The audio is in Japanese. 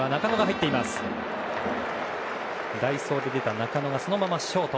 代走で出た中野がそのままショート。